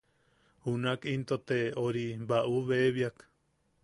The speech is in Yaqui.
Junak into te... ori... bau bebiak.